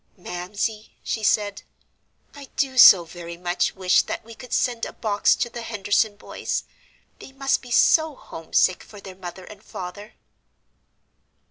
"Mamsie," she said, "I do so very much wish that we could send a box to the Henderson boys. They must be so homesick for their mother and father."